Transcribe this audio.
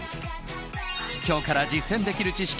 今日から実践できる知識